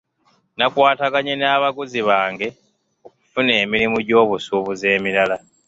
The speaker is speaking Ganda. Nakwataganye n'abaguzi bange kufuna emirimu gy'obusuubuzi emirala.